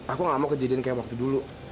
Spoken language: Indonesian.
aku gak mau kejadian kayak waktu dulu